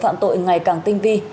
phạm tội ngày càng tinh vi